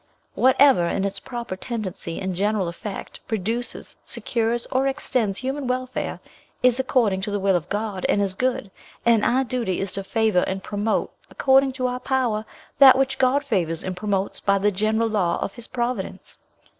Whatever, in its proper tendency and general effect, produces, secures, or extends human welfare, is according to the will of God, and is good; and our duty is to favour and promote, according to our power, that which God favours and promotes by the general law of his providence.